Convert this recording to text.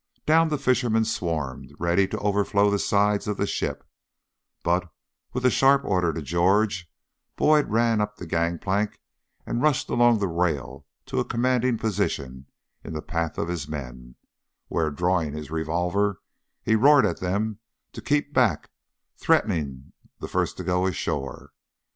Down the fishermen swarmed, ready to over flow the sides of the ship, but, with a sharp order to George, Boyd ran up the gang plank and rushed along the rail to a commanding position in the path of his men, where, drawing his revolver, he roared at them to keep back, threatening the first to go ashore.